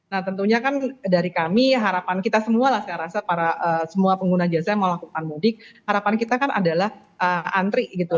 nah tentunya kan dari kami harapan kita semua lah saya rasa para semua pengguna jasa yang mau lakukan mudik harapan kita kan adalah antri gitu